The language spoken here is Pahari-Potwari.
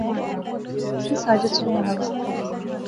اس وی ساجد سوہنا لاغا